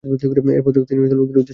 এরপর তিনি তার লোকদের উদ্দেশ্যে বলেনঃ